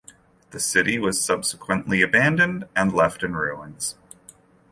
The city was subsequently abandoned and left in ruins.